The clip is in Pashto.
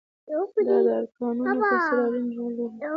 دا د ارګانونو په څېر اړين رول لري.